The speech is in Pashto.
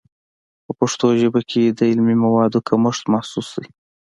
په پښتو ژبه کې د علمي موادو کمښت محسوس دی.